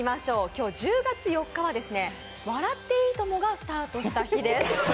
今日１０月４日は「笑っていいとも！」がスタートした日です。